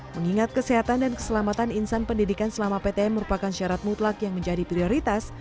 mengingat kesehatan dan keselamatan insan pendidikan selama ptm merupakan syarat mutlak yang menjadi prioritas